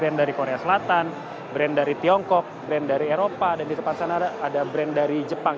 brand dari korea selatan brand dari tiongkok brand dari eropa dan di depan sana ada brand dari jepang